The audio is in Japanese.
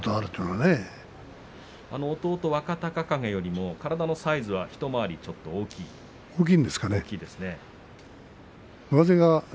弟の若隆景よりも体のサイズは一回り大きいです。